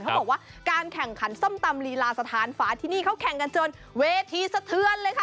เขาบอกว่าการแข่งขันส้มตำลีลาสถานฝาที่นี่เขาแข่งกันจนเวทีสะเทือนเลยค่ะ